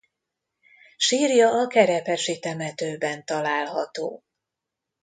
Sírja a Kerepesi temetőben található.